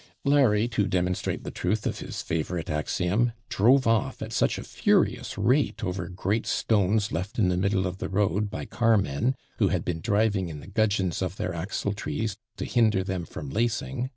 "' Larry, to demonstrate the truth of his favourite axiom, drove off at such a furious rate over great stones left in the middle of the road by carmen, who had been driving in the gudgeons of their axle trees to hinder them from lacing, [Opening; perhaps from LACHER, to loosen.